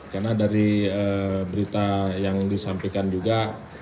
karena dari berita yang disampaikan juga